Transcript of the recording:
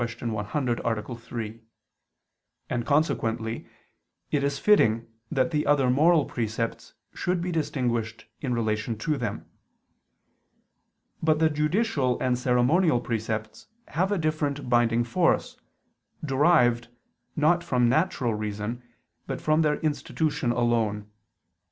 100, A. 3): and consequently it is fitting that other moral precepts should be distinguished in relation to them. But the judicial and ceremonial precepts have a different binding force, derived, not from natural reason, but from their institution alone.